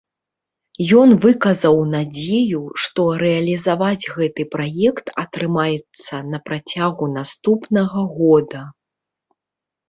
Ён выказаў надзею, што рэалізаваць гэты праект атрымаецца на працягу наступнага года.